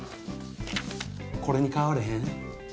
これに変われへん？